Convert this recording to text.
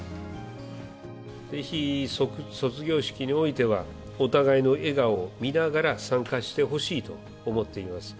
ぜひ卒業式においては、お互いの笑顔を見ながら参加してほしいと思っています。